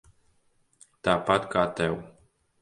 Tāpat kā tev.